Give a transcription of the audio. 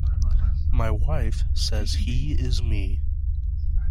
My wife says he is me.